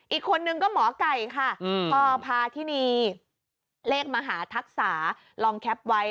อีกคนนึงก็หมอไก่ค่ะพอพาทินีเลขมหาทักษะลองแคปไว้